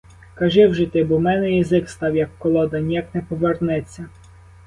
Кажи вже ти, бо в мене язик став, як колода: ніяк не повернеться.